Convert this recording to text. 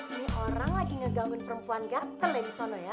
ini orang lagi ngegangguin perempuan ganteng deh di sana ya